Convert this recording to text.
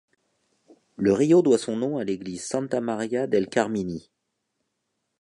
Le rio doit son nom à l'église Santa Maria del Carmini.